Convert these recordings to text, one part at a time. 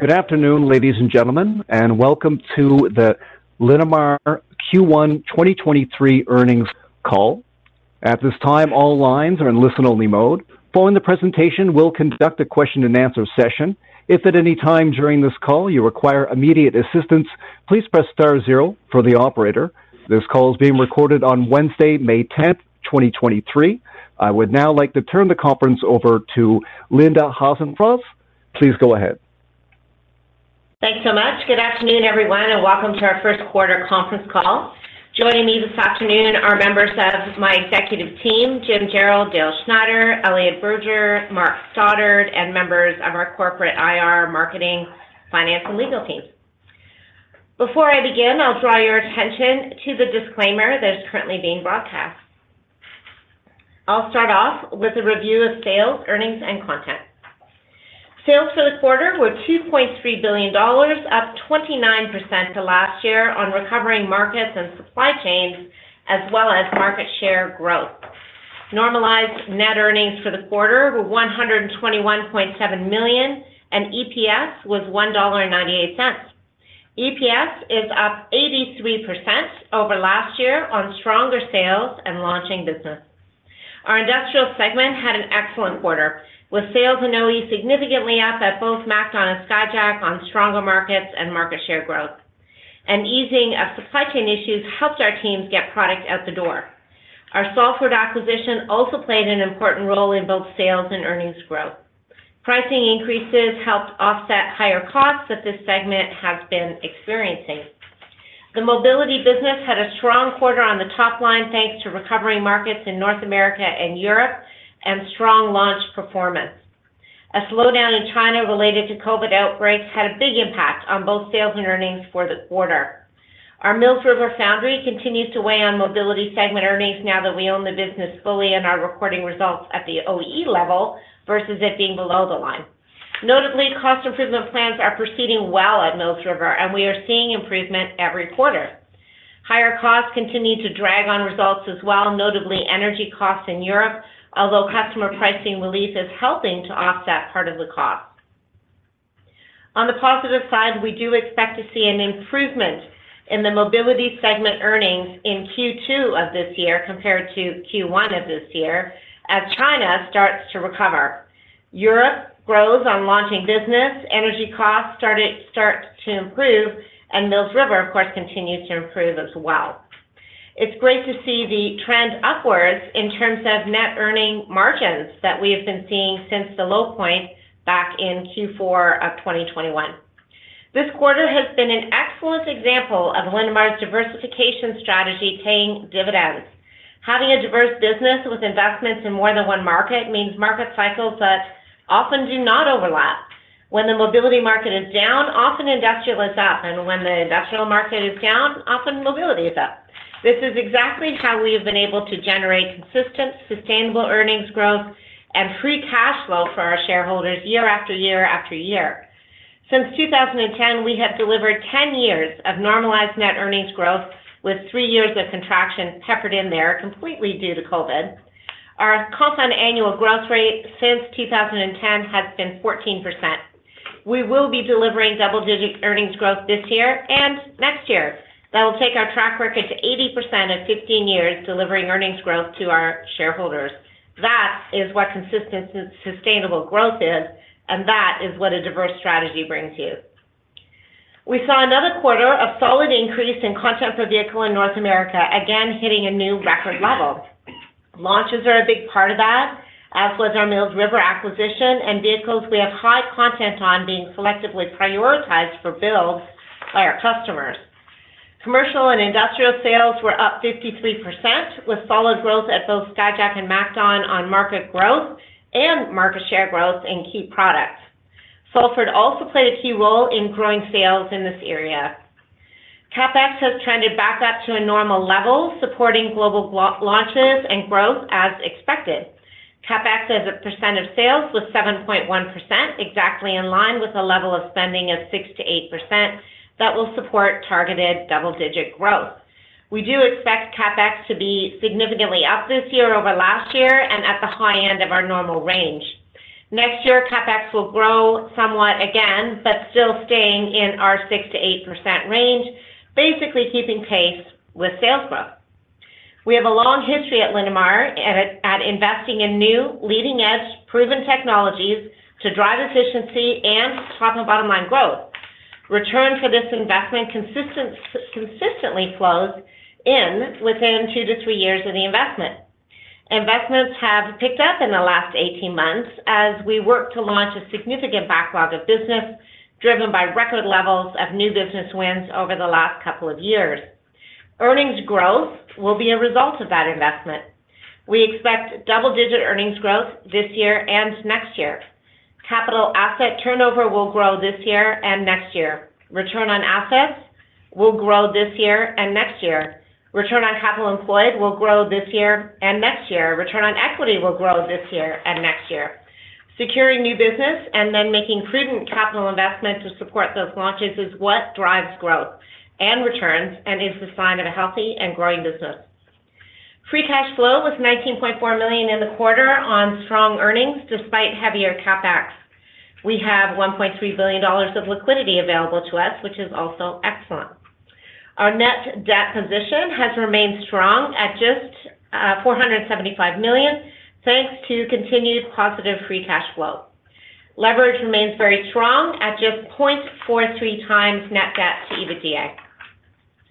Good afternoon, ladies and gentlemen, and welcome to the Linamar Q1 2023 earnings call. At this time, all lines are in listen-only mode. Following the presentation, we'll conduct a question-and-answer session. If at any time during this call you require immediate assistance, please press star zero for the operator. This call is being recorded on Wednesday, May 10th, 2023. I would now like to turn the conference over to Linda Hasenfratz. Please go ahead. Thanks so much. Good afternoon, everyone, welcome to our first quarter conference call. Joining me this afternoon are members of my executive team, Jim Jarrell, Dale Schneider, Elliot Burger, Mark Stoddart, and members of our corporate IR, marketing, finance, and legal team. Before I begin, I'll draw your attention to the disclaimer that is currently being broadcast. I'll start off with a review of sales, earnings, and content. Sales for the quarter were 2.3 billion dollars, up 29% to last year on recovering markets and supply chains, as well as market share growth. Normalized net earnings for the quarter were 121.7 million. EPS was 1.98 dollar. EPS is up 83% over last year on stronger sales and launching business. Our industrial segment had an excellent quarter, with sales and OE significantly up at both MacDon and Skyjack on stronger markets and market share growth. An easing of supply chain issues helped our teams get product out the door. Our software acquisition also played an important role in both sales and earnings growth. Pricing increases helped offset higher costs that this segment has been experiencing. The mobility business had a strong quarter on the top line, thanks to recovering markets in North America and Europe and strong launch performance. A slowdown in China related to COVID outbreaks had a big impact on both sales and earnings for the quarter. Our Mills River Foundry continues to weigh on mobility segment earnings now that we own the business fully and are recording results at the OE level versus it being below the line. Notably, cost improvement plans are proceeding well at Mills River. We are seeing improvement every quarter. Higher costs continue to drag on results as well, notably energy costs in Europe, although customer pricing relief is helping to offset part of the cost. On the positive side, we do expect to see an improvement in the mobility segment earnings in Q2 of this year compared to Q1 of this year as China starts to recover. Europe grows on launching business, energy costs start to improve, and Mills River, of course, continues to improve as well. It's great to see the trend upwards in terms of net earning margins that we have been seeing since the low point back in Q4 of 2021. This quarter has been an excellent example of Linamar's diversification strategy paying dividends. Having a diverse business with investments in more than one market means market cycles that often do not overlap. When the mobility market is down, often industrial is up, and when the industrial market is down, often mobility is up. This is exactly how we have been able to generate consistent, sustainable earnings growth and free cash flow for our shareholders year after year after year. Since 2010, we have delivered 10 years of normalized net earnings growth, with 3 years of contraction peppered in there completely due to COVID. Our compound annual growth rate since 2010 has been 14%. We will be delivering double-digit earnings growth this year and next year. That will take our track record to 80% of 15 years delivering earnings growth to our shareholders. That is what consistent sustainable growth is, that is what a diverse strategy brings you. We saw another quarter of solid increase in content per vehicle in North America, again hitting a new record level. Launches are a big part of that, as was our Mills River acquisition and vehicles we have high content on being selectively prioritized for build by our customers. Commercial and industrial sales were up 53%, with solid growth at both Skyjack and MacDon on market growth and market share growth in key products. Salford also played a key role in growing sales in this area. CapEx has trended back up to a normal level, supporting global launches and growth as expected. CapEx as a percent of sales was 7.1%, exactly in line with the level of spending of 6%-8% that will support targeted double-digit growth. We do expect CapEx to be significantly up this year over last year and at the high end of our normal range. Next year, CapEx will grow somewhat again, still staying in our 6%-8% range, basically keeping pace with sales growth. We have a long history at Linamar at investing in new, leading-edge, proven technologies to drive efficiency and top and bottom line growth. Return for this investment consistently flows in within two-three years of the investment. Investments have picked up in the last 18 months as we work to launch a significant backlog of business driven by record levels of new business wins over the last couple of years. Earnings growth will be a result of that investment. We expect double-digit earnings growth this year and next year. Capital asset turnover will grow this year and next year. Return on assets will grow this year and next year. Return on capital employed will grow this year and next year. Return on equity will grow this year and next year. Securing new business making prudent capital investment to support those launches is what drives growth and returns and is the sign of a healthy and growing business. Free cash flow was 19.4 million in the quarter on strong earnings despite heavier CapEx. We have 1.3 billion dollars of liquidity available to us, which is also excellent. Our net debt position has remained strong at just 475 million, thanks to continued positive free cash flow. Leverage remains very strong at just 0.43 times net debt to EBITDA.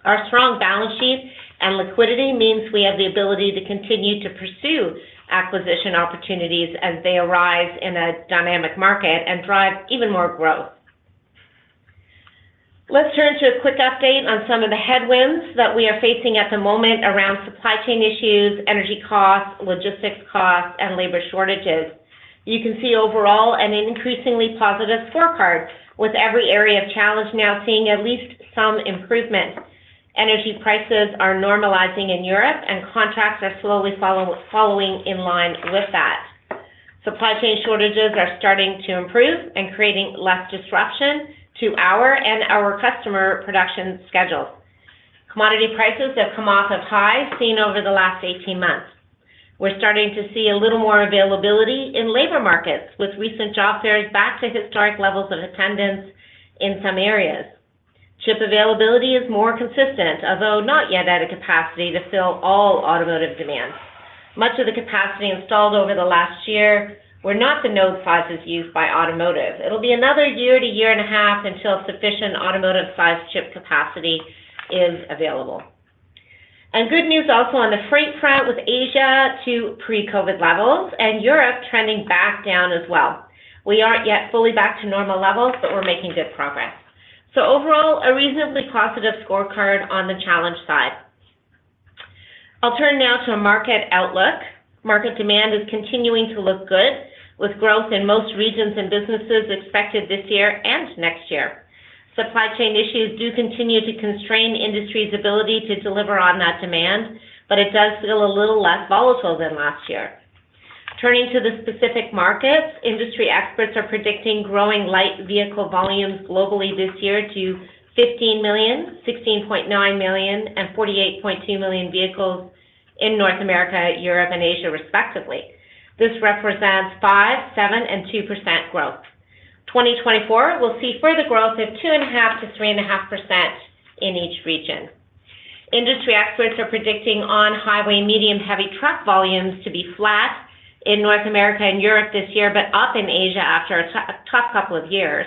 Our strong balance sheet and liquidity means we have the ability to continue to pursue acquisition opportunities as they arise in a dynamic market and drive even more growth. Let's turn to a quick update on some of the headwinds that we are facing at the moment around supply chain issues, energy costs, logistics costs, and labor shortages. You can see overall an increasingly positive scorecard with every area of challenge now seeing at least some improvement. Energy prices are normalizing in Europe, and contracts are slowly following in line with that. Supply chain shortages are starting to improve and creating less disruption to our and our customer production schedules. Commodity prices have come off of highs seen over the last 18 months. We're starting to see a little more availability in labor markets, with recent job fairs back to historic levels of attendance in some areas. Chip availability is more consistent, although not yet at a capacity to fill all automotive demand. Much of the capacity installed over the last year were not the node sizes used by automotive. It'll be another 1 year to a year and a half until sufficient automotive size chip capacity is available. Good news also on the freight front with Asia to pre-COVID levels and Europe trending back down as well. We aren't yet fully back to normal levels, but we're making good progress. Overall, a reasonably positive scorecard on the challenge side. I'll turn now to a market outlook. Market demand is continuing to look good, with growth in most regions and businesses expected this year and next year. Supply chain issues do continue to constrain industry's ability to deliver on that demand, but it does feel a little less volatile than last year. Turning to the specific markets, industry experts are predicting growing light vehicle volumes globally this year to 15 million, 16.9 million, and 48.2 million vehicles in North America, Europe, and Asia, respectively. This represents 5%, 7%, and 2% growth. 2024, we'll see further growth of 2.5%-3.5% in each region. Industry experts are predicting on highway medium heavy truck volumes to be flat in North America and Europe this year, but up in Asia after a tough couple of years.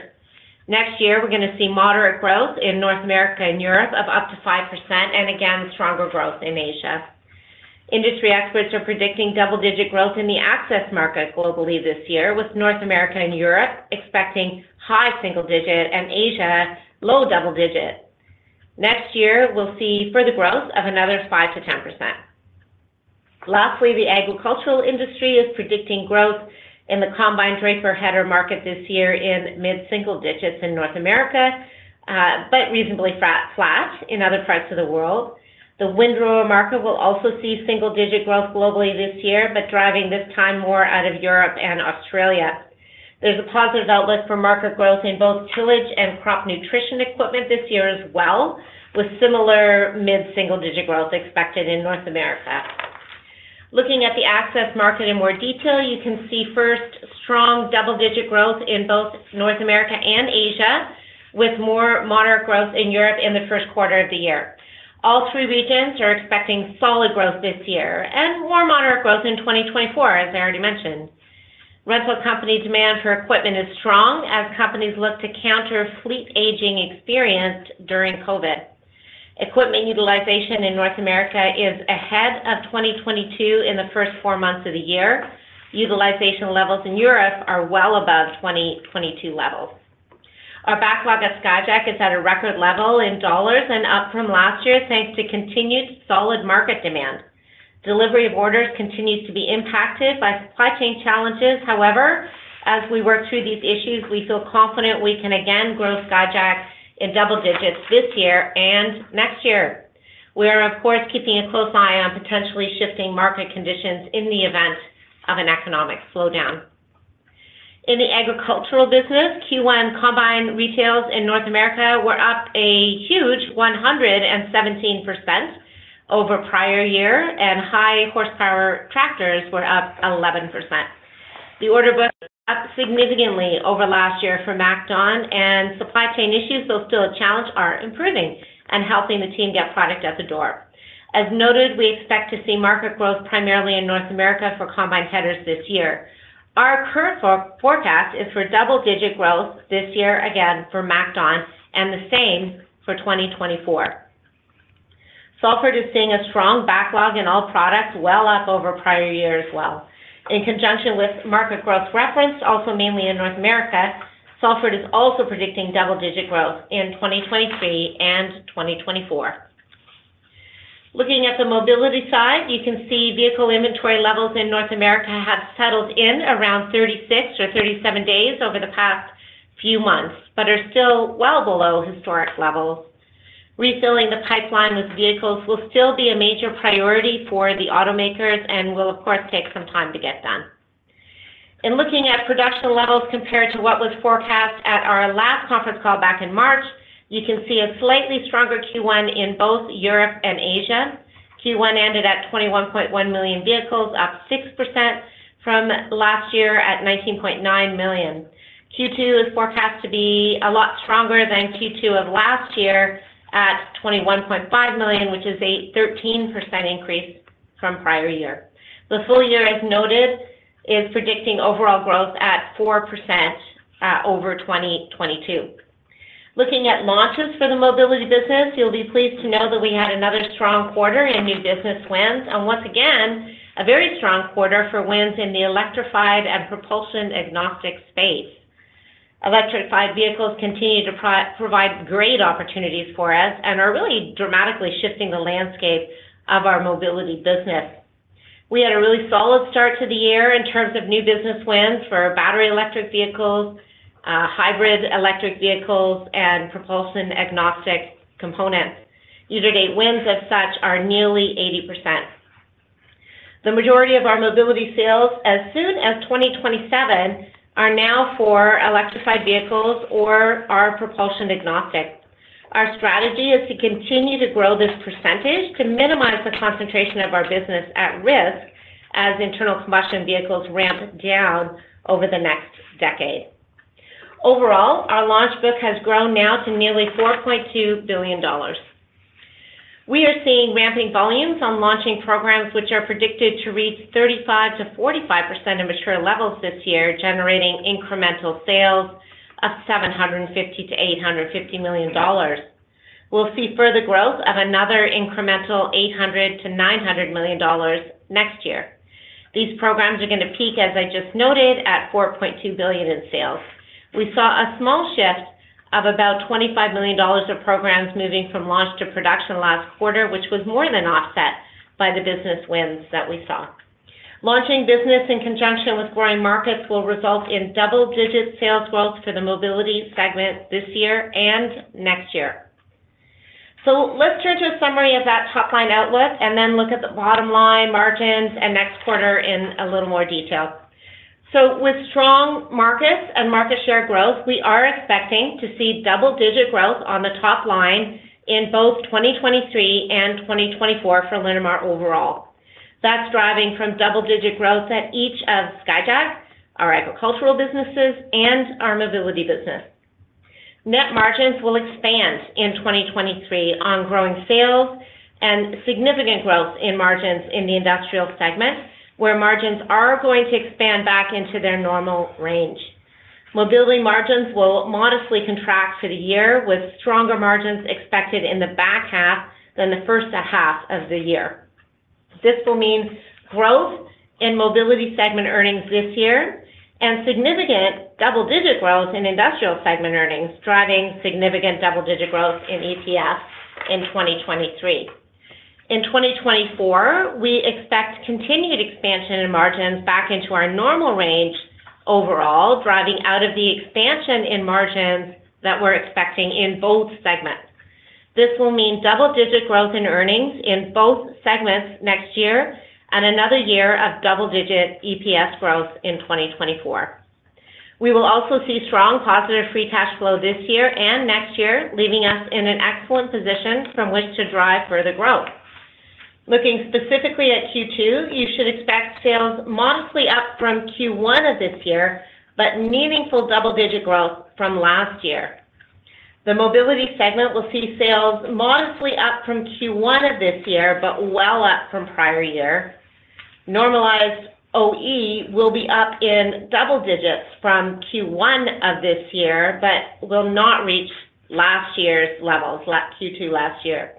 Next year, we're going to see moderate growth in North America and Europe of up to 5% and again, stronger growth in Asia. Industry experts are predicting double-digit growth in the access market globally this year, with North America and Europe expecting high single digit and Asia low double digit. Next year, we'll see further growth of another 5%-10%. Lastly, the agricultural industry is predicting growth in the combine draper header market this year in mid-single digits in North America, but reasonably flat in other parts of the world. The windrower market will also see single-digit growth globally this year, but driving this time more out of Europe and Australia. There's a positive outlook for market growth in both tillage and crop nutrition equipment this year as well, with similar mid-single-digit growth expected in North America. Looking at the access market in more detail, you can see first strong double-digit growth in both North America and Asia, with more moderate growth in Europe in the first quarter of the year. All three regions are expecting solid growth this year and more moderate growth in 2024, as I already mentioned. Rental company demand for equipment is strong as companies look to counter fleet aging experienced during COVID. Equipment utilization in North America is ahead of 2022 in the first four months of the year. Utilization levels in Europe are well above 2022 levels. Our backlog at Skyjack is at a record level in dollars and up from last year, thanks to continued solid market demand. Delivery of orders continues to be impacted by supply chain challenges. As we work through these issues, we feel confident we can again grow Skyjack in double digits this year and next year. We are, of course, keeping a close eye on potentially shifting market conditions in the event of an economic slowdown. In the agricultural business, Q1 combine retails in North America were up a huge 117% over prior year, and high horsepower tractors were up 11%. The order book up significantly over last year for MacDon, and supply chain issues, though still a challenge, are improving and helping the team get product out the door. As noted, we expect to see market growth primarily in North America for combine headers this year. Our current forecast is for double-digit growth this year, again, for MacDon and the same for 2024. Salford is seeing a strong backlog in all products, well up over prior year as well. In conjunction with market growth referenced also mainly in North America, Salford is also predicting double-digit growth in 2023 and 2024. Looking at the mobility side, you can see vehicle inventory levels in North America have settled in around 36 or 37 days over the past few months, but are still well below historic levels. Refilling the pipeline with vehicles will still be a major priority for the automakers and will of course, take some time to get done. In looking at production levels compared to what was forecast at our last conference call back in March, you can see a slightly stronger Q1 in both Europe and Asia. Q1 ended at 21.1 million vehicles, up 6% from last year at 19.9 million. Q2 is forecast to be a lot stronger than Q2 of last year at 21.5 million, which is a 13% increase from prior year. The full year, as noted, is predicting overall growth at 4% over 2022. Looking at launches for the mobility business, you'll be pleased to know that we had another strong quarter in new business wins. Once again, a very strong quarter for wins in the electrified and propulsion agnostic space. Electrified vehicles continue to provide great opportunities for us and are really dramatically shifting the landscape of our mobility business. We had a really solid start to the year in terms of new business wins for battery electric vehicles, hybrid electric vehicles, and propulsion agnostic components. Year-to-date wins as such are nearly 80%. The majority of our mobility sales as soon as 2027 are now for electrified vehicles or are propulsion agnostic. Our strategy is to continue to grow this percentage to minimize the concentration of our business at risk as internal combustion vehicles ramp down over the next decade. Overall, our launch book has grown now to nearly 4.2 billion dollars. We are seeing ramping volumes on launching programs which are predicted to reach 35%-45% of mature levels this year, generating incremental sales of 750 million-850 million dollars. We'll see further growth of another incremental 800 million-900 million dollars next year. These programs are gonna peak, as I just noted, at 4.2 billion in sales. We saw a small shift of about 25 million dollars of programs moving from launch to production last quarter, which was more than offset by the business wins that we saw. Launching business in conjunction with growing markets will result in double-digit sales growth for the mobility segment this year and next year. Let's turn to a summary of that top-line outlook and then look at the bottom line margins and next quarter in a little more detail. With strong markets and market share growth, we are expecting to see double-digit growth on the top line in both 2023 and 2024 for Linamar overall. That's driving from double-digit growth at each of Skyjack, our agricultural businesses, and our mobility business. Net margins will expand in 2023 on growing sales and significant growth in margins in the industrial segment, where margins are going to expand back into their normal range. Mobility margins will modestly contract for the year, with stronger margins expected in the back half than the first half of the year. This will mean growth in mobility segment earnings this year and significant double-digit growth in industrial segment earnings, driving significant double-digit growth in EPS in 2023. In 2024, we expect continued expansion in margins back into our normal range overall, driving out of the expansion in margins that we're expecting in both segments. This will mean double-digit growth in earnings in both segments next year and another year of double-digit EPS growth in 2024. We will also see strong positive free cash flow this year and next year, leaving us in an excellent position from which to drive further growth. Looking specifically at Q2, you should expect sales modestly up from Q1 of this year, but meaningful double-digit growth from last year. The mobility segment will see sales modestly up from Q1 of this year, but well up from prior year. Normalized OE will be up in double digits from Q1 of this year, but will not reach last year's levels, Q2 last year.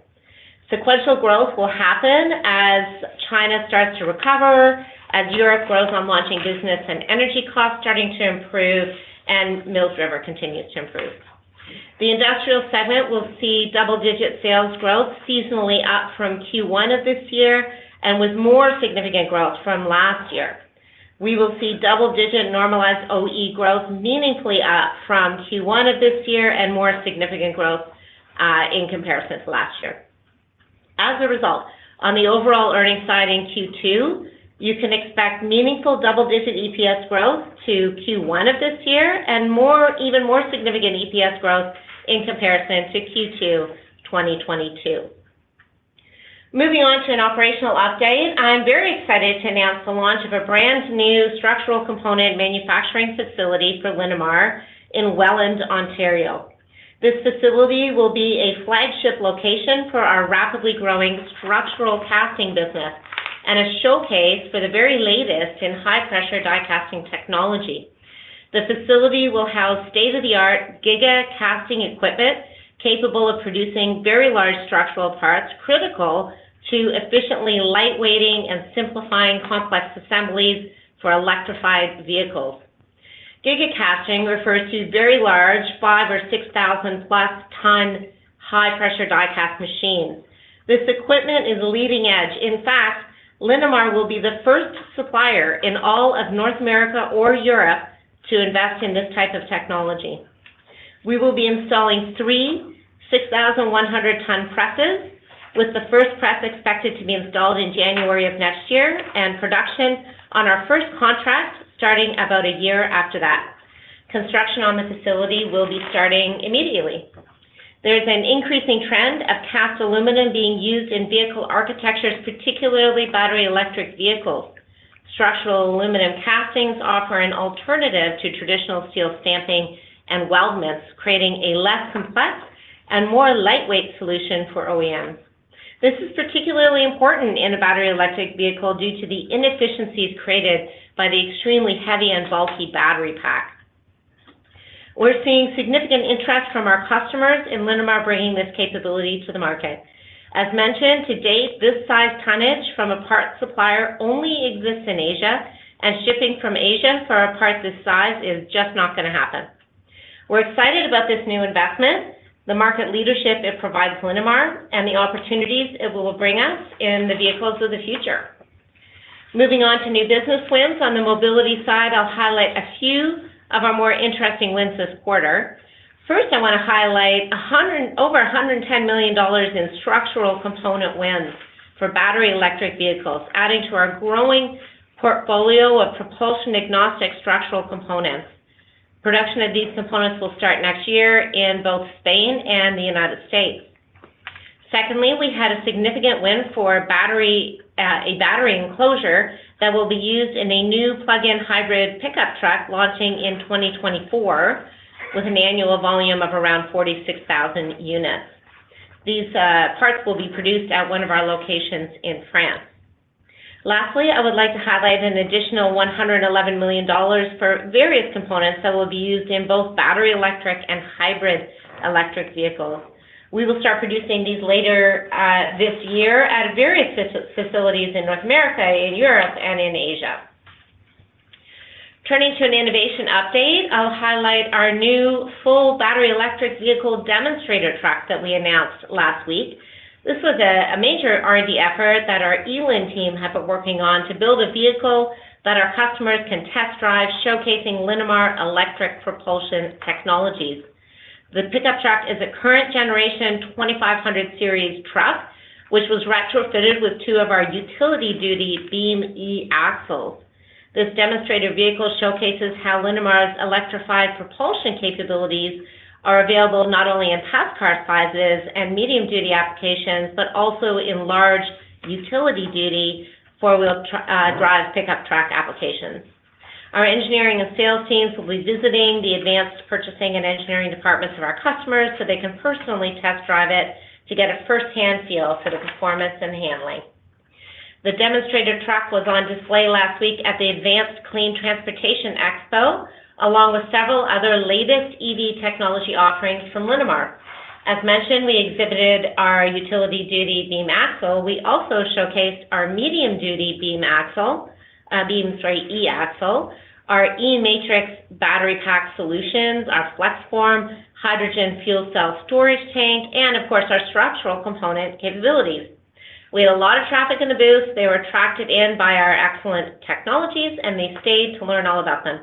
Sequential growth will happen as China starts to recover, as Europe grows on launching business and energy costs starting to improve, and Mills River continues to improve. The industrial segment will see double-digit sales growth seasonally up from Q1 of this year and with more significant growth from last year. We will see double-digit normalized OE growth meaningfully up from Q1 of this year and more significant growth in comparison to last year. As a result, on the overall earnings side in Q2, you can expect meaningful double-digit EPS growth to Q1 of this year and more, even more significant EPS growth in comparison to Q2 2022. Moving on to an operational update, I'm very excited to announce the launch of a brand-new structural component manufacturing facility for Linamar in Welland, Ontario. This facility will be a flagship location for our rapidly growing structural casting business and a showcase for the very latest in high-pressure die casting technology. The facility will house state-of-the-art Giga Casting equipment capable of producing very large structural parts critical to efficiently lightweighting and simplifying complex assemblies for electrified vehicles. Giga Casting refers to very large, 5,000 or 6,000-plus ton high-pressure die cast machines. This equipment is leading edge. Linamar will be the first supplier in all of North America or Europe to invest in this type of technology. We will be installing three 6,100 ton presses, with the first press expected to be installed in January of next year and production on our first contract starting about a year after that. Construction on the facility will be starting immediately. There's an increasing trend of cast aluminum being used in vehicle architectures, particularly battery electric vehicles. Structural aluminum castings offer an alternative to traditional steel stamping and weldments, creating a less complex and more lightweight solution for OEMs. This is particularly important in a battery electric vehicle due to the inefficiencies created by the extremely heavy and bulky battery pack. We're seeing significant interest from our customers in Linamar bringing this capability to the market. As mentioned, to date, this size tonnage from a parts supplier only exists in Asia. Shipping from Asia for a part this size is just not gonna happen. We're excited about this new investment, the market leadership it provides Linamar, and the opportunities it will bring us in the vehicles of the future. Moving on to new business wins. On the mobility side, I'll highlight a few of our more interesting wins this quarter. First, I wanna highlight over $110 million in structural component wins for battery electric vehicles, adding to our growing portfolio of propulsion-agnostic structural components. Production of these components will start next year in both Spain and the United States. Secondly, we had a significant win for battery, a battery enclosure that will be used in a new plug-in hybrid pickup truck launching in 2024 with an annual volume of around 46,000 units. These parts will be produced at one of our locations in France. Lastly, I would like to highlight an additional 111 million dollars for various components that will be used in both battery electric and hybrid electric vehicles. We will start producing these later this year at various facilities in North America, in Europe, and in Asia. Turning to an innovation update, I'll highlight our new full battery electric vehicle demonstrator truck that we announced last week. This was a major R&D effort that our eLIN team have been working on to build a vehicle that our customers can test drive showcasing Linamar electric propulsion technologies. The pickup truck is a current generation 2,500 series truck, which was retrofitted with two of our utility duty Beam eAxles. This demonstrator vehicle showcases how Linamar's electrified propulsion capabilities are available not only in past car sizes and medium-duty applications, but also in large utility duty four-wheel drive pickup truck applications. Our engineering and sales teams will be visiting the advanced purchasing and engineering departments of our customers so they can personally test drive it to get a firsthand feel for the performance and handling. The demonstrator truck was on display last week at the Advanced Clean Transportation Expo, along with several other latest EV technology offerings from Linamar. As mentioned, we exhibited our utility duty Beam eAxle. We also showcased our medium-duty Beam axle, Beam straight eAxle, our eMatrix battery pack solutions, our FlexForm hydrogen fuel cell storage tank, and of course, our structural component capabilities. We had a lot of traffic in the booth. They were attracted in by our excellent technologies, and they stayed to learn all about them.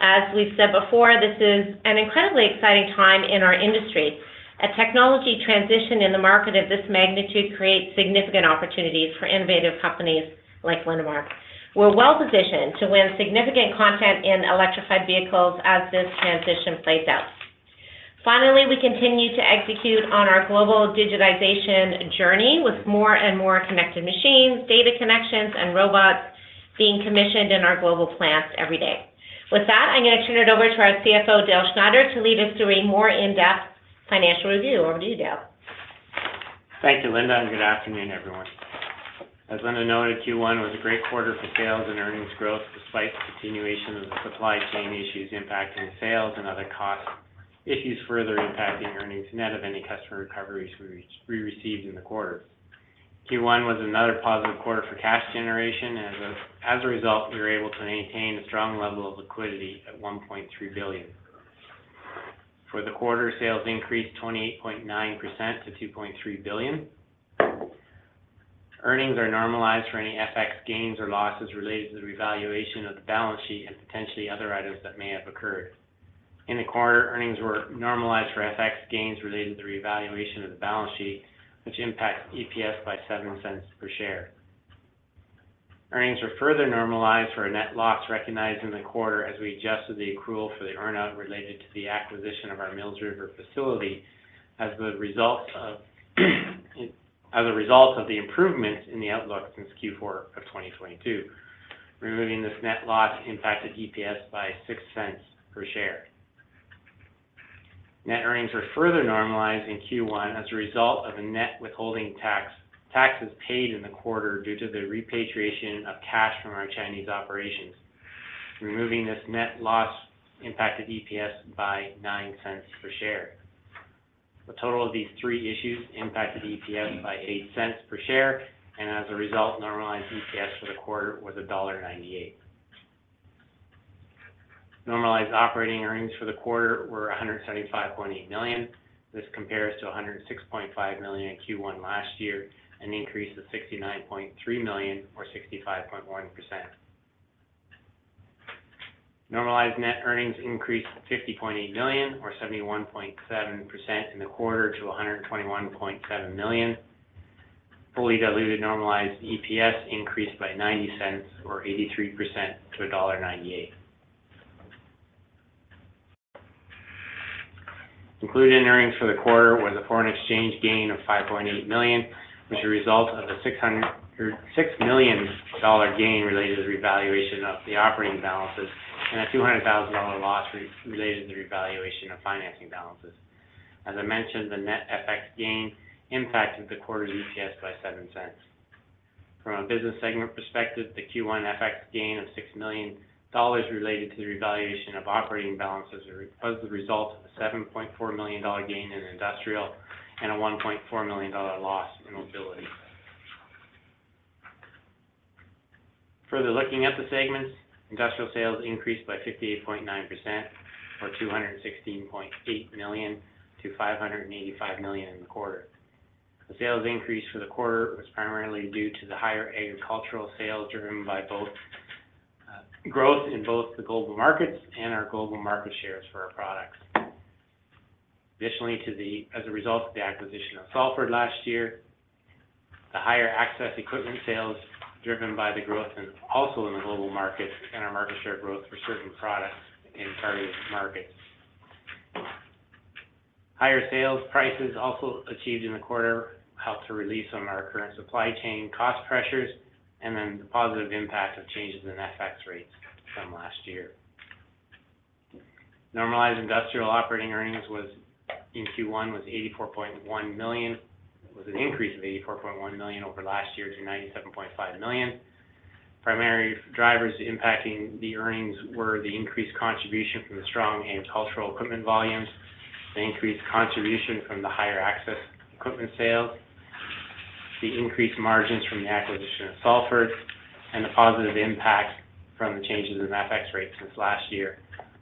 As we've said before, this is an incredibly exciting time in our industry. A technology transition in the market of this magnitude creates significant opportunities for innovative companies like Linamar. We're well-positioned to win significant content in electrified vehicles as this transition plays out. Finally, we continue to execute on our global digitization journey with more and more connected machines, data connections, and robots being commissioned in our global plants every day. With that, I'm gonna turn it over to our CFO, Dale Schneider, to lead us through a more in-depth financial review. Over to you, Dale. Thank you, Linda. Good afternoon, everyone. As Linda noted, Q1 was a great quarter for sales and earnings growth despite the continuation of the supply chain issues impacting sales and other cost issues further impacting earnings net of any customer recoveries we received in the quarter. Q1 was another positive quarter for cash generation. As a result, we were able to maintain a strong level of liquidity at 1.3 billion. For the quarter, sales increased 28.9% to 2.3 billion. Earnings are normalized for any FX gains or losses related to the revaluation of the balance sheet and potentially other items that may have occurred. In the quarter, earnings were normalized for FX gains related to the revaluation of the balance sheet, which impacts EPS by 0.07 per share. Earnings were further normalized for a net loss recognized in the quarter as we adjusted the accrual for the earn-out related to the acquisition of our Mills River facility as a result of the improvements in the outlook since Q4 of 2022. Removing this net loss impacted EPS by 0.06 per share. Net earnings were further normalized in Q1 as a result of a net withholding tax paid in the quarter due to the repatriation of cash from our Chinese operations. Removing this net loss impacted EPS by 0.09 per share. The total of these three issues impacted EPS by 0.08 per share. As a result, normalized EPS for the quarter was dollar 1.98. Normalized operating earnings for the quarter were 175.8 million. This compares to 106.5 million in Q1 last year, an increase of 69.3 million or 65.1%. Normalized net earnings increased to 50.8 million or 71.7% in the quarter to 121.7 million. Fully diluted normalized EPS increased by 0.90 or 83% to dollar 1.98. Included in earnings for the quarter was a foreign exchange gain of 5.8 million, which was a result of a 6 million dollar gain related to the revaluation of the operating balances and a 200,000 dollar loss related to the revaluation of financing balances. As I mentioned, the net FX gain impacted the quarter's EPS by 0.07. From a business segment perspective, the Q1 FX gain of 6 million dollars related to the revaluation of operating balances was a result of a 7.4 million dollar gain in Industrial and a 1.4 million dollar loss in Mobility. Looking at the segments, Industrial sales increased by 58.9% or 216.8 million to 585 million in the quarter. The sales increase for the quarter was primarily due to the higher agricultural sales driven by growth in both the global markets and our global market shares for our products. Additionally as a result of the acquisition of Salford last year, the higher access equipment sales driven by the growth and also in the global markets and our market share growth for certain products in targeted markets. Higher sales prices also achieved in the quarter helped to release on our current supply chain cost pressures and then the positive impact of changes in FX rates from last year. Normalized Industrial operating earnings in Q1 was 84.1 million. It was an increase of 84.1 million over last year to 97.5 million. Primary drivers impacting the earnings were the increased contribution from the strong agricultural equipment volumes, the increased contribution from the higher access equipment sales, the increased margins from the acquisition of Salford, and the positive impact from the changes in FX rates since last year.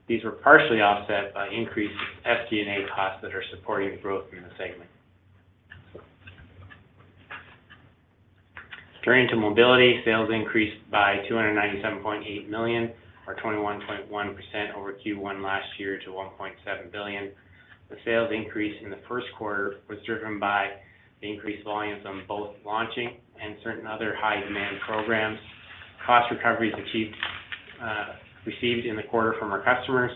These were partially offset by increased SG&A costs that are supporting growth in the segment. Turning to Mobility, sales increased by 297.8 million or 21.1% over Q1 last year to 1.7 billion. The sales increase in the first quarter was driven by the increased volumes on both launching and certain other high-demand programs. Cost recoveries achieved, received in the quarter from our customers.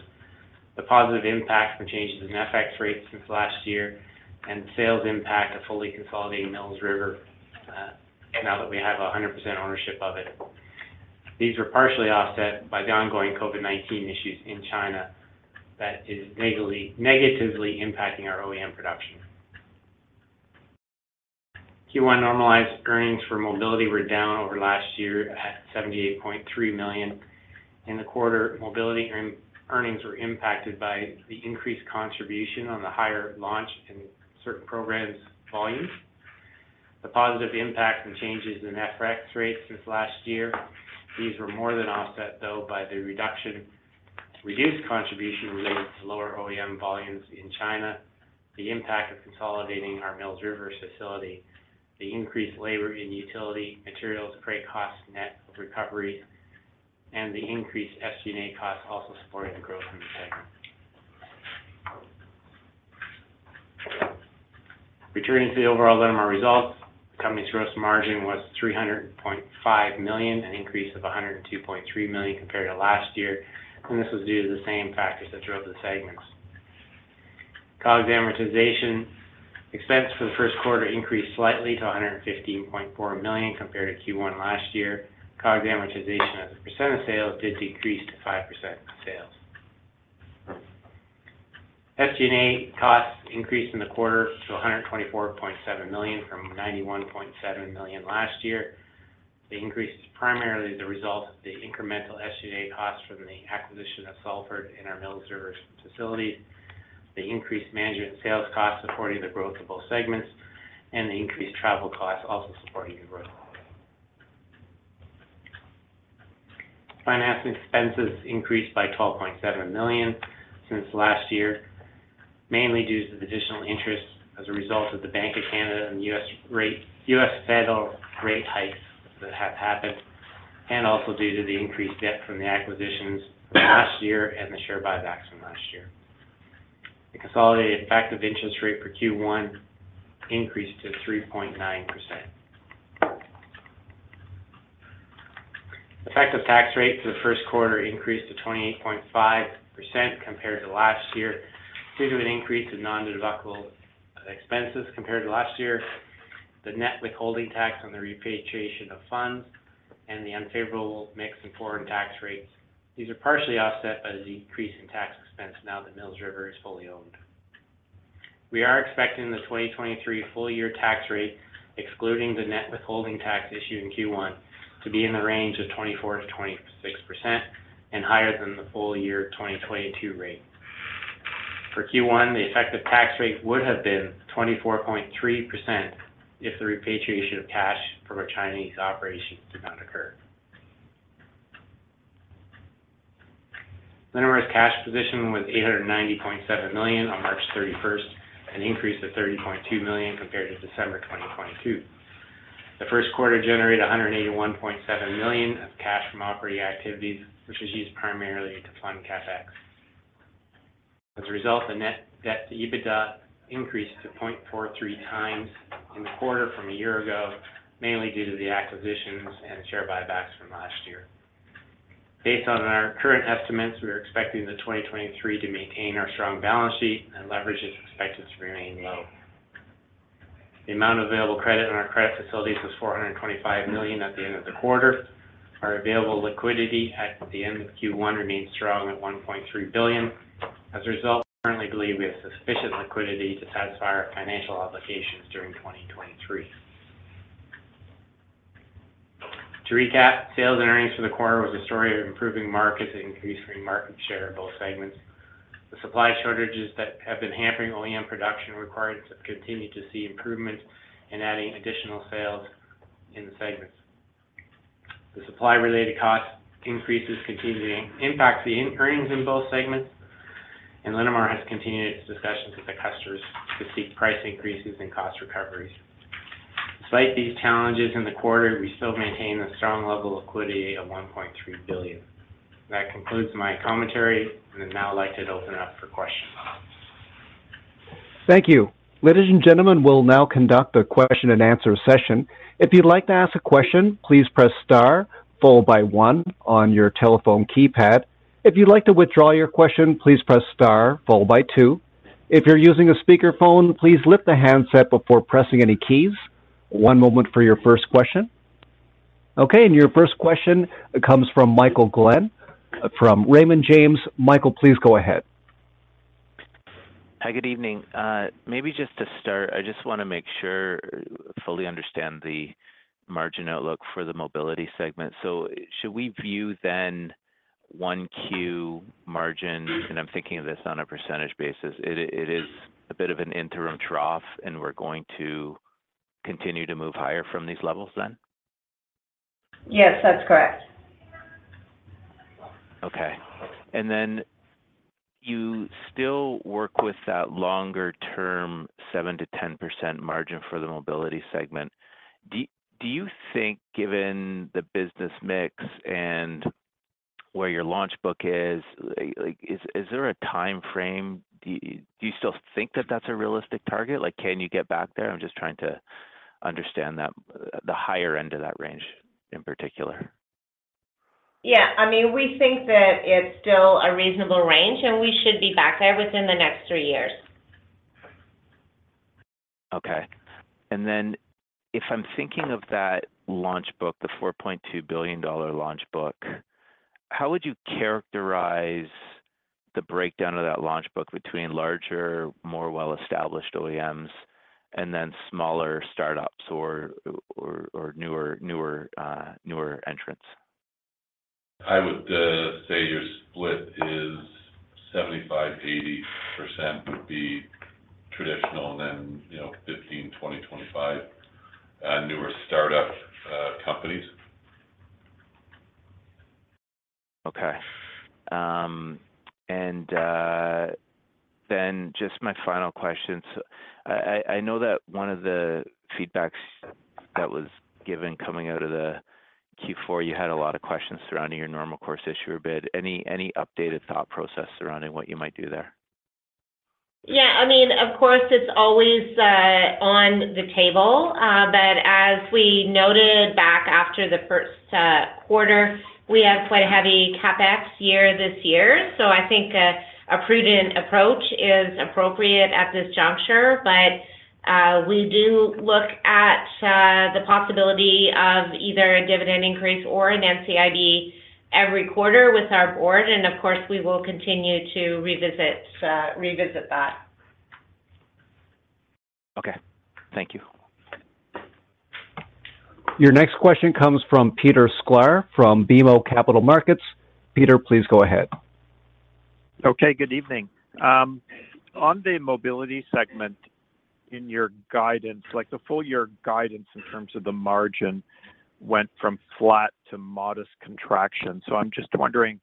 The positive impact from changes in FX rates since last year and the sales impact of fully consolidating Mills River, now that we have 100% ownership of it. These were partially offset by the ongoing COVID-19 issues in China that is negatively impacting our OEM production. Q1 normalized earnings for Mobility were down over last year at 78.3 million. In the quarter, Mobility earnings were impacted by the increased contribution on the higher launch in certain programs volumes. The positive impact and changes in FX rates since last year. These were more than offset, though, by the reduced contribution related to lower OEM volumes in China. The impact of consolidating our Mills River facility. The increased labor in utility, materials, freight costs, net of recovery, and the increased SG&A costs also supporting the growth in the segment. Returning to the overall Linamar results, the company's gross margin was 300.5 million, an increase of 102.3 million compared to last year, and this was due to the same factors that drove the segments. COGS amortization expense for the first quarter increased slightly to 115.4 million compared to Q1 last year. COGS amortization as a percent of sales did decrease to 5% of sales. SG&A costs increased in the quarter to 124.7 million from 91.7 million last year. The increase is primarily the result of the incremental SG&A costs from the acquisition of Salford in our Mills River facility. The increased management sales costs supporting the growth of both segments, and the increased travel costs also supporting the growth. Financing expenses increased by $12.7 million since last year, mainly due to the additional interest as a result of the Bank of Canada and U.S. federal rate hikes that have happened, and also due to the increased debt from the acquisitions from last year and the share buybacks from last year. The consolidated effective interest rate for Q1 increased to 3.9%. Effective tax rate for the first quarter increased to 28.5% compared to last year due to an increase in non-deductible expenses compared to last year. The net withholding tax on the repatriation of funds and the unfavorable mix in foreign tax rates. These are partially offset by the decrease in tax expense now that Mills River is fully owned. We are expecting the 2023 full year tax rate, excluding the net withholding tax issued in Q1, to be in the range of 24%-26% and higher than the full year 2022 rate. For Q1, the effective tax rate would have been 24.3% if the repatriation of cash from our Chinese operations did not occur. Linamar's cash position was 890.7 million on March 31st, an increase of 30.2 million compared to December 2022. The first quarter generated 181.7 million of cash from operating activities, which was used primarily to fund CapEx. As a result, the net debt to EBITDA increased to 0.43 times in the quarter from a year ago, mainly due to the acquisitions and share buybacks from last year. Based on our current estimates, we are expecting 2023 to maintain our strong balance sheet and leverage is expected to remain low. The amount of available credit on our credit facilities was 425 million at the end of the quarter. Our available liquidity at the end of Q1 remains strong at 1.3 billion. As a result, we currently believe we have sufficient liquidity to satisfy our financial obligations during 2023. To recap, sales and earnings for the quarter was a story of improving markets and increasing market share in both segments. The supply shortages that have been hampering OEM production requirements have continued to see improvement in adding additional sales in the segments. The supply-related cost increases continue to impact the earnings in both segments, and Linamar has continued its discussions with the customers to seek price increases and cost recoveries. Despite these challenges in the quarter, we still maintain a strong level of liquidity of 1.3 billion. That concludes my commentary, and I'd now like to open it up for questions. Thank you. Ladies and gentlemen, we'll now conduct a question and answer session. If you'd like to ask a question, please press star followed by one on your telephone keypad. If you'd like to withdraw your question, please press star followed by two. If you're using a speakerphone, please lift the handset before pressing any keys. One moment for your first question. Okay, your first question comes from Michael Glen from Raymond James. Michael, please go ahead. Hi, good evening. Maybe just to start, I just wanna make sure I fully understand the margin outlook for the mobility segment. Should we view then 1Q margin, and I'm thinking of this on a percentage basis, it is a bit of an interim trough, and we're going to continue to move higher from these levels then? Yes, that's correct. Okay. Then you still work with that longer-term 7%-10% margin for the mobility segment. Do you think, given the business mix and where your launch book is, like, is there a time frame? Do you still think that that's a realistic target? Like, can you get back there? I'm just trying to understand that, the higher end of that range in particular. Yeah. I mean, we think that it's still a reasonable range, and we should be back there within the next three years. Okay. Then if I'm thinking of that launch book, the 4.2 billion dollar launch book, how would you characterize the breakdown of that launch book between larger, more well-established OEMs and then smaller startups or newer entrants? I would say your split is 75%-80% would be traditional, and then, you know, 15%-25% newer startup companies. Okay. Just my final question. I know that one of the feedbacks that was given coming out of the Q4, you had a lot of questions surrounding your normal course issuer bid. Any updated thought process surrounding what you might do there? Yeah. I mean, of course, it's always on the table, but as we noted back after the first quarter, we have quite a heavy CapEx year this year. I think a prudent approach is appropriate at this juncture. We do look at the possibility of either a dividend increase or an NCIB every quarter with our board, and of course, we will continue to revisit that. Okay. Thank you. Your next question comes from Peter Sklar from BMO Capital Markets. Peter, please go ahead. Okay, good evening. On the mobility segment in your guidance, like the full year guidance in terms of the margin went from flat to modest contraction. I'm just wondering,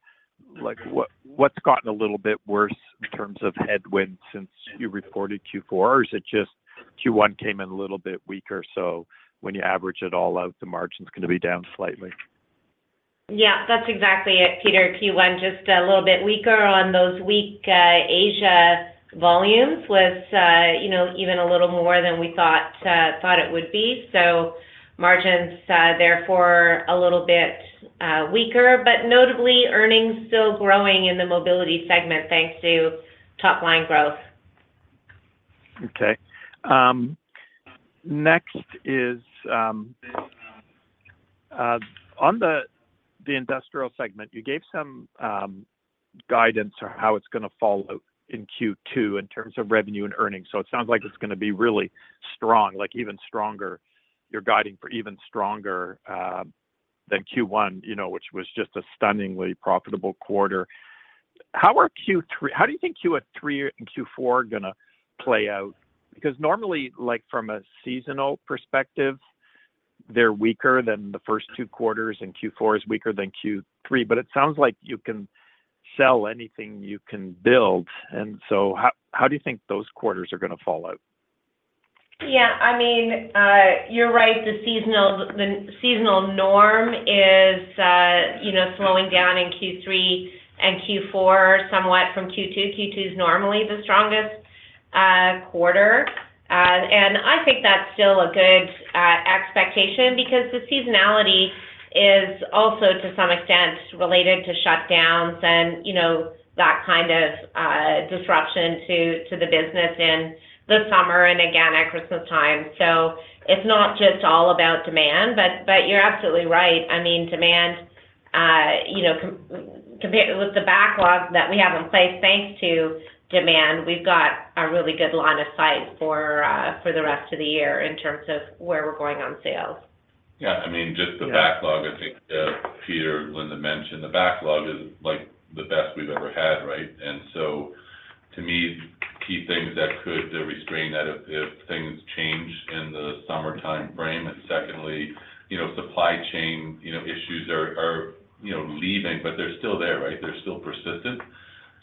like what's gotten a little bit worse in terms of headwinds since you reported Q4? Or is it just Q1 came in a little bit weaker, so when you average it all out, the margin's gonna be down slightly? Yeah, that's exactly it, Peter. Q1 just a little bit weaker on those weak, Asia volumes was, you know, even a little more than we thought it would be. Margins, therefore a little bit, weaker, but notably earnings still growing in the mobility segment thanks to top-line growth. Okay. Next is on the industrial segment, you gave some guidance on how it's gonna fall out in Q2 in terms of revenue and earnings. It sounds like it's gonna be really strong, like even stronger. You're guiding for even stronger than Q1, you know, which was just a stunningly profitable quarter. How do you think Q3 and Q4 are gonna play out? Because normally, like from a seasonal perspective, they're weaker than the first two quarters, and Q4 is weaker than Q3. It sounds like you can sell anything you can build. How do you think those quarters are gonna fall out? Yeah, I mean, you're right, the seasonal norm is, you know, slowing down in Q3 and Q4 somewhat from Q2. Q2 is normally the strongest quarter. I think that's still a good expectation because the seasonality is also to some extent related to shutdowns and, you know, that kind of disruption to the business in the summer and again at Christmas time. It's not just all about demand, but you're absolutely right. I mean, demand, you know, with the backlogs that we have in place, thanks to demand, we've got a really good line of sight for the rest of the year in terms of where we're going on sales. Yeah, I mean, just the backlog, I think, Peter, Linda mentioned the backlog is like the best we've ever had, right? To me, key things that could restrain that if things change in the summertime frame. Secondly, you know, supply chain, you know, issues are, you know, leaving, but they're still there, right? They're still persistent.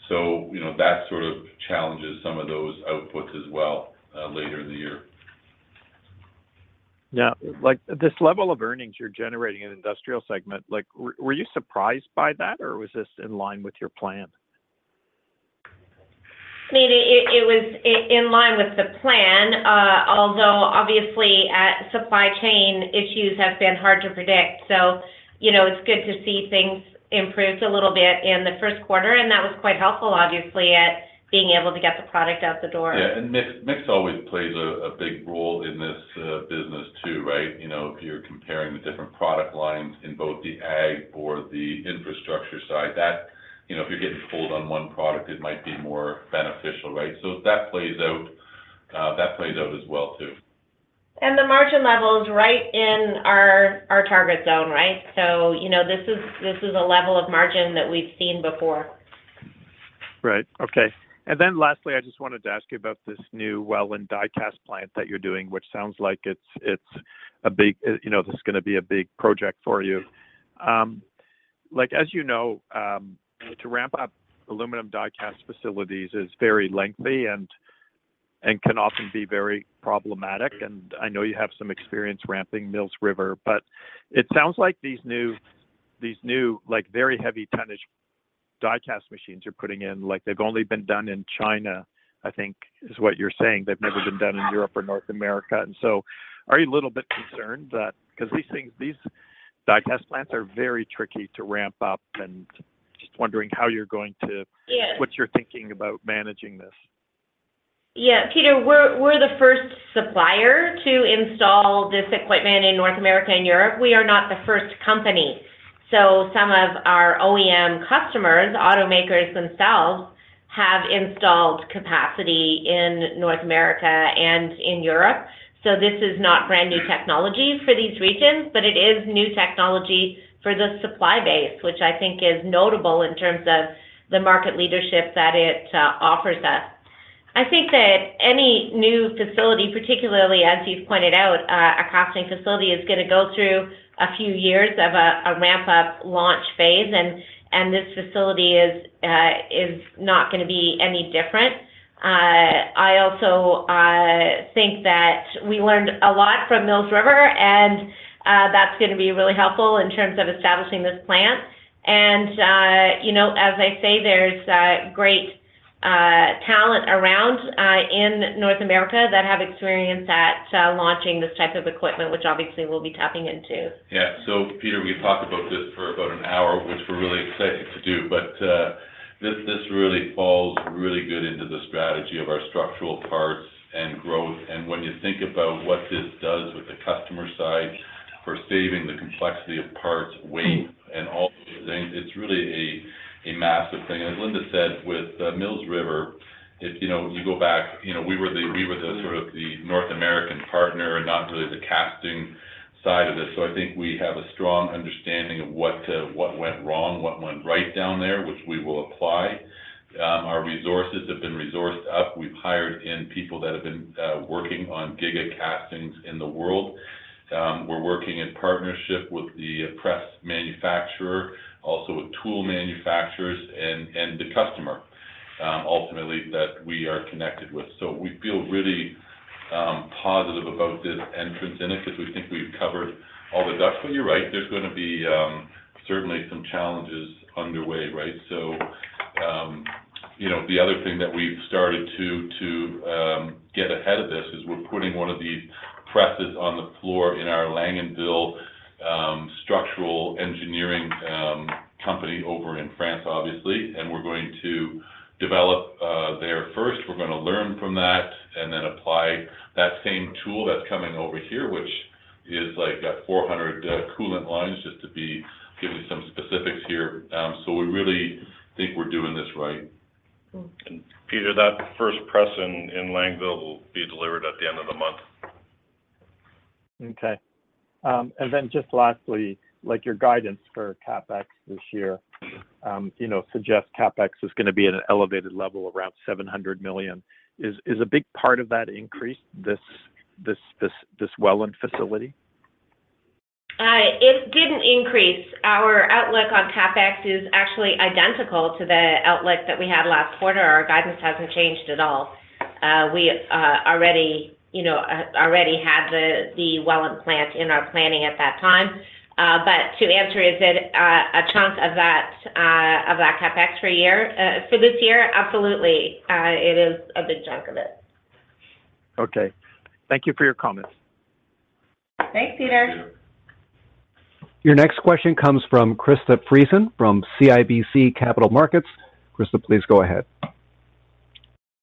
You know, that sort of challenges some of those outputs as well later in the year. Yeah. Like, this level of earnings you're generating in the industrial segment, like, were you surprised by that, or was this in line with your plan? I mean, it was in line with the plan, although obviously, supply chain issues have been hard to predict. You know, it's good to see things improved a little bit in the first quarter, that was quite helpful, obviously, at being able to get the product out the door. Yeah. Mix always plays a big role in this business too, right? You know, if you're comparing the different product lines in both the ag or the infrastructure side, that... You know, if you're getting pulled on one product, it might be more beneficial, right? That plays out as well too. The margin level is right in our target zone, right? You know, this is a level of margin that we've seen before. Right. Okay. Lastly, I just wanted to ask you about this new Welland die-cast plant that you're doing, which sounds like it's a big. You know, this is gonna be a big project for you. Like, as you know, to ramp up aluminum die-cast facilities is very lengthy and can often be very problematic. I know you have some experience ramping Mills River, but it sounds like these new, like, very heavy tonnage die-cast machines you're putting in, like they've only been done in China, I think, is what you're saying. They've never been done in Europe or North America. Are you a little bit concerned that? 'Cause these things, these die-cast plants are very tricky to ramp up, and just wondering how you're going to? Yeah... What you're thinking about managing this? Peter, we're the first supplier to install this equipment in North America and Europe. We are not the first company. Some of our OEM customers, automakers themselves, have installed capacity in North America and in Europe. This is not brand new technology for these regions, but it is new technology for the supply base, which I think is notable in terms of the market leadership that it offers us. I think that any new facility, particularly, as you've pointed out, a casting facility, is gonna go through a few years of a ramp-up launch phase, and this facility is not gonna be any different. I also think that we learned a lot from Mills River, and that's gonna be really helpful in terms of establishing this plant. You know, as I say, there's great talent around in North America that have experience at launching this type of equipment, which obviously we'll be tapping into. Peter, we've talked about this for about 1 hour, which we're really excited to do. This really falls really good into the strategy of our structural parts and growth. When you think about what this does with the customer side for saving the complexity of parts, weight, and all those things, it's really a massive thing. As Linda said, with, Mills River, You know, you go back, you know, we were the sort of the North American partner and not really the casting side of this. I think we have a strong understanding of what went wrong, what went right down there, which we will apply. Our resources have been resourced up. We've hired in people that have been working on Giga Castings in the world. We're working in partnership with the press manufacturer, also with tool manufacturers and the customer ultimately that we are connected with. We feel really positive about this entrance in it because we think we've covered all the ducks. You're right, there's gonna be certainly some challenges underway, right? You know, the other thing that we've started to get ahead of this is we're putting one of these presses on the floor in our Langenvil structural engineering company over in France, obviously, and we're going to develop there first. We're gonna learn from that and then apply that same tool that's coming over here, which is, like, got 400 coolant lines, just to be giving some specifics here. We really think we're doing this right. Peter, that first press in Langenvil will be delivered at the end of the month. Okay. Then just lastly, like your guidance for CapEx this year, you know, suggests CapEx is gonna be at an elevated level around 700 million. Is a big part of that increase this Welland facility? It didn't increase. Our outlook on CapEx is actually identical to the outlook that we had last quarter. Our guidance hasn't changed at all. We, already, you know, already had the Welland plant in our planning at that time. To answer, is it a chunk of that CapEx for this year? Absolutely. It is a big chunk of it. Okay. Thank you for your comments. Thanks, Peter. Your next question comes from Krista Friesen from CIBC Capital Markets. Krista, please go ahead.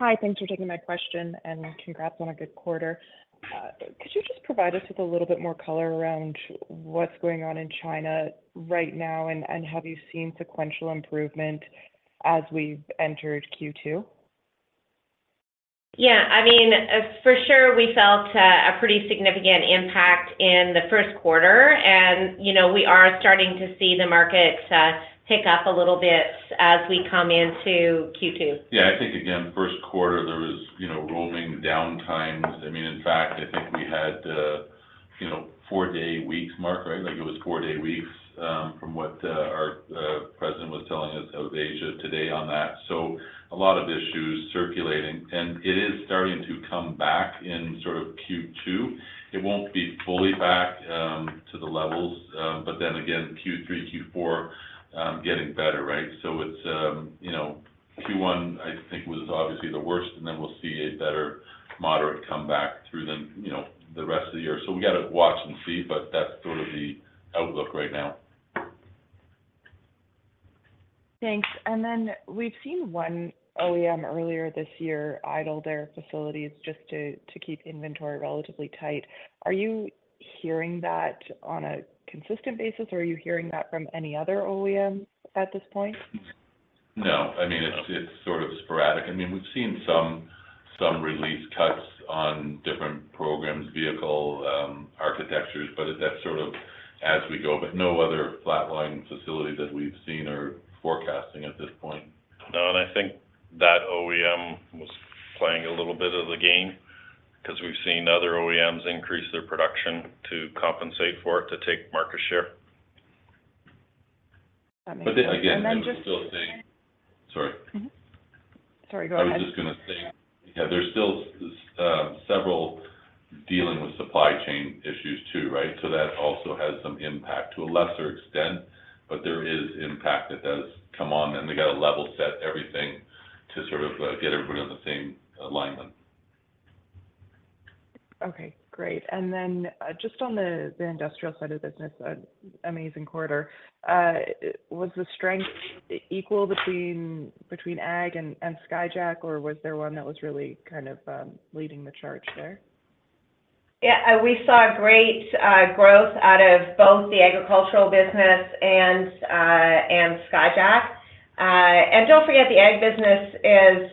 Hi. Thanks for taking my question, and congrats on a good quarter. Could you just provide us with a little bit more color around what's going on in China right now, and have you seen sequential improvement as we've entered Q2? Yeah, I mean, for sure we felt a pretty significant impact in the first quarter and, you know, we are starting to see the markets pick up a little bit as we come into Q2. Yeah. I think, again, first quarter there was, you know, rolling downtimes. I mean, in fact, I think we had, you know, four-day weeks. Mark, right? Like it was four-day weeks, from what, our president was telling us of Asia today on that. A lot of issues circulating. It is starting to come back in sort of Q2. It won't be fully back to the levels, Q3, Q4, getting better, right? It's, you know, Q1, I think, was obviously the worst, we'll see a better moderate comeback through the, you know, the rest of the year. We gotta watch and see, but that's sort of the outlook right now. Thanks. Then we've seen one OEM earlier this year idle their facilities just to keep inventory relatively tight. Are you hearing that on a consistent basis, or are you hearing that from any other OEM at this point? No. I mean, it's sort of sporadic. I mean, we've seen some release cuts on different programs, vehicle, architectures, but that's sort of as we go. No other flatline facilities that we've seen are forecasting at this point. No. I think that OEM was playing a little bit of the game 'cause we've seen other OEMs increase their production to compensate for it to take market share. That makes sense. Again, I would still say... Sorry. Sorry, go ahead. I was just gonna say, yeah, there's still several dealing with supply chain issues too, right? That also has some impact to a lesser extent, but there is impact that does come on, and they gotta level set everything to sort of get everybody on the same alignment. Okay. Great. Just on the industrial side of the business, an amazing quarter. Was the strength equal between ag and Skyjack, or was there one that was really kind of leading the charge there? Yeah. We saw great growth out of both the agricultural business and Skyjack. Don't forget the ag business is,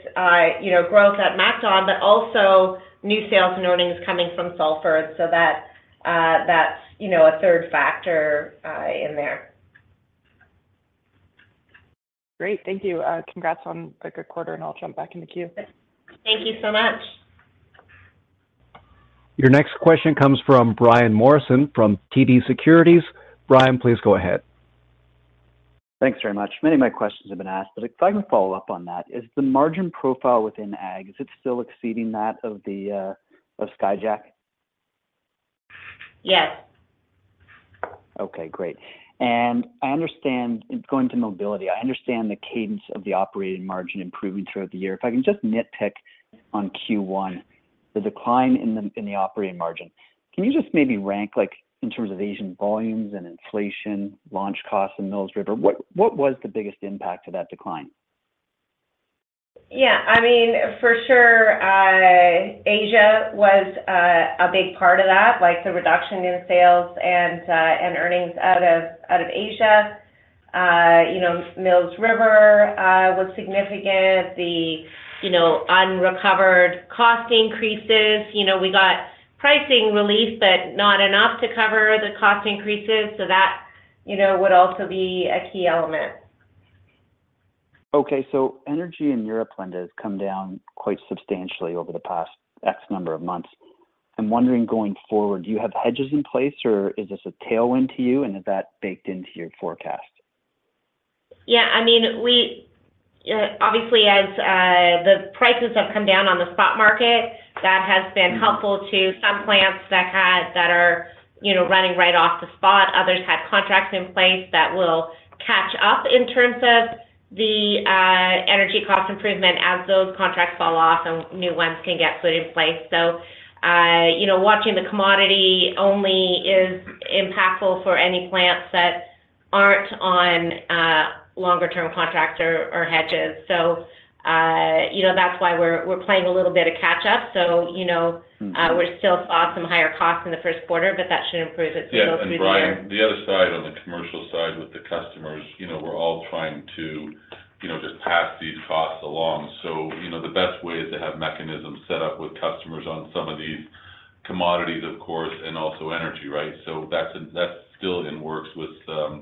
you know, growth at MacDon, but also new sales and earnings coming from Salford. That's, you know, a third factor in there. Great. Thank you. Congrats on the good quarter. I'll jump back in the queue. Thank you so much. Your next question comes from Brian Morrison from TD Securities. Brian, please go ahead. Thanks very much. Many of my questions have been asked, but if I can follow up on that, is the margin profile within ag, is it still exceeding that of the of Skyjack? Yes. Okay, great. I understand going to mobility, I understand the cadence of the operating margin improving throughout the year. If I can just nitpick on Q1, the decline in the operating margin. Can you just maybe rank like in terms of Asian volumes and inflation, launch costs in Mills River? What was the biggest impact to that decline? Yeah. I mean, for sure, Asia was a big part of that, like the reduction in sales and and earnings out of, out of Asia. You know, Mills River was significant. The, you know, unrecovered cost increases. You know, we got pricing relief, but not enough to cover the cost increases. That, you know, would also be a key element. Energy in Europe, Linda, has come down quite substantially over the past X number of months. I'm wondering going forward, do you have hedges in place or is this a tailwind to you and is that baked into your forecast? I mean, obviously as the prices have come down on the spot market, that has been helpful to some plants that are, you know, running right off the spot. Others had contracts in place that will catch up in terms of the energy cost improvement as those contracts fall off and new ones can get put in place. Watching the commodity only is impactful for any plants that aren't on longer term contracts or hedges. That's why we're playing a little bit of catch up. We're still saw some higher costs in the first quarter. That should improve as we go through the year. Yeah. Brian, the other side, on the commercial side with the customers, you know, we're all trying to, you know, just pass these costs along. You know, the best way is to have mechanisms set up with customers on some of these commodities, of course, and also energy, right? That's still in works with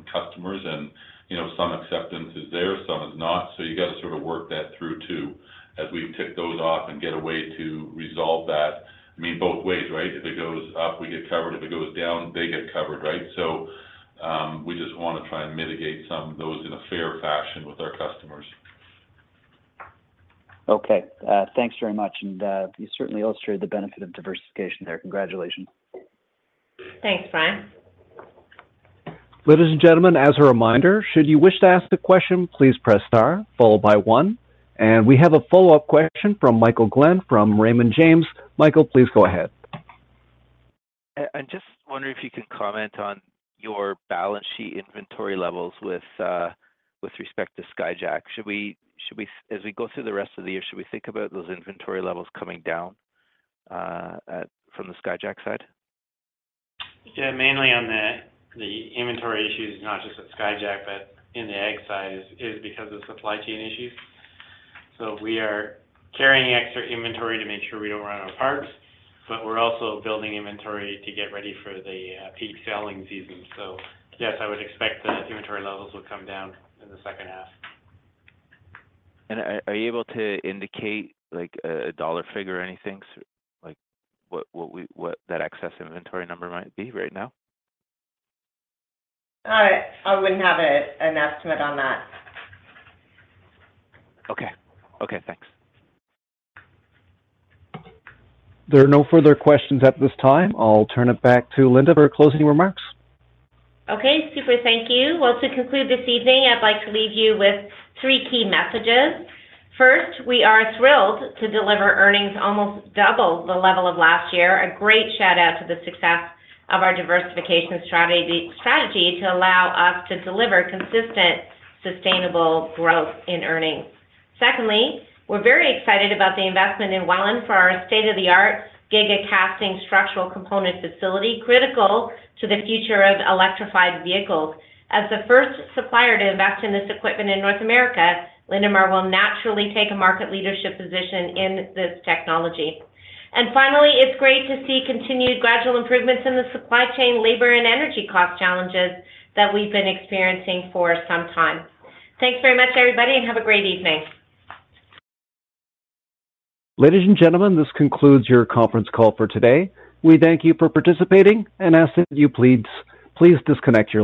customers and, you know, some acceptance is there, some is not. You gotta sort of work that through too as we tick those off and get a way to resolve that. I mean, both ways, right? If it goes up, we get covered. If it goes down, they get covered, right? We just wanna try and mitigate some of those in a fair fashion with our customers. Okay. Thanks very much. You certainly illustrated the benefit of diversification there. Congratulations. Thanks, Brian. Ladies and gentlemen, as a reminder, should you wish to ask the question, please press star followed by one. We have a follow-up question from Michael Glen from Raymond James. Michael, please go ahead. I'm just wondering if you could comment on your balance sheet inventory levels with respect to Skyjack. As we go through the rest of the year, should we think about those inventory levels coming down from the Skyjack side? Mainly on the inventory issue is not just at Skyjack, but in the ag side is because of supply chain issues. We are carrying extra inventory to make sure we don't run out of parts, but we're also building inventory to get ready for the peak selling season. Yes, I would expect the inventory levels will come down in the second half. Are you able to indicate like a dollar figure or anything? Like what that excess inventory number might be right now? I wouldn't have an estimate on that. Okay. Okay, thanks. There are no further questions at this time. I'll turn it back to Linda for closing remarks. Okay. Super thank you. Well, to conclude this evening, I'd like to leave you with three key messages. First, we are thrilled to deliver earnings almost double the level of last year. A great shout-out to the success of our diversification strategy to allow us to deliver consistent, sustainable growth in earnings. Secondly, we're very excited about the investment in Welland for our state-of-the-art Giga Casting structural component facility, critical to the future of electrified vehicles. As the first supplier to invest in this equipment in North America, Linamar will naturally take a market leadership position in this technology. Finally, it's great to see continued gradual improvements in the supply chain, labor, and energy cost challenges that we've been experiencing for some time. Thanks very much, everybody, and have a great evening. Ladies and gentlemen, this concludes your conference call for today. We thank you for participating and ask that you please disconnect your lines.